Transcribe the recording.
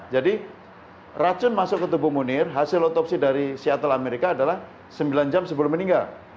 jadi racun masuk ke tubuh munir hasil otopsi dari seattle amerika adalah sembilan jam sebelum meninggal